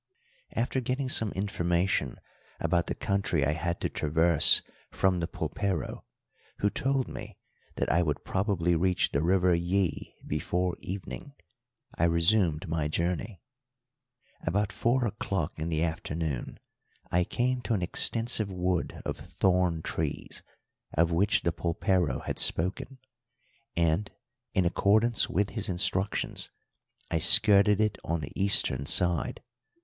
After getting some information about the country I had to traverse from the pulpero, who told me that I would probably reach the River Yí before evening, I resumed my journey. About four o'clock in the afternoon I came to an extensive wood of thorn trees, of which the pulpero had spoken, and, in accordance with his instructions, I skirted it on the eastern side.